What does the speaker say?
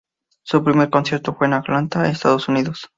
Su primer concierto fue en Atlanta, Estados Unidos.